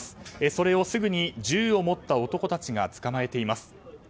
それをすぐに銃を持った男たちが捕まえています。